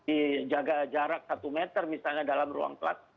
bagaimana murid murid dijaga jarak satu meter misalnya dalam ruang kelas